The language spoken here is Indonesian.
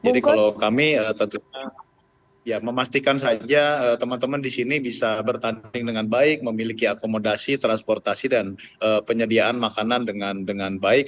jadi kalau kami tentunya ya memastikan saja teman teman disini bisa bertanding dengan baik memiliki akomodasi transportasi dan penyediaan makanan dengan baik